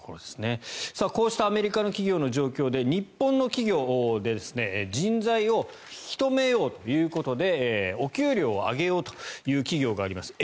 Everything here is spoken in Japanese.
こうしたアメリカの企業の状況で日本の企業で人材を引き留めようということでお給料を上げようという企業があります。